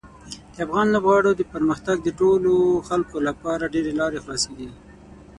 د افغان لوبغاړو د پرمختګ د ټولو خلکو لپاره ډېرې لارې خلاصیږي.